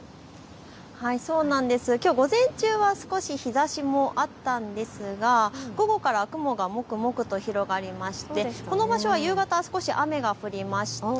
きょう午前中は少し日ざしもあったんですが午後から雲がもくもくと広がりまして、この場所は夕方、少し雨が降りました。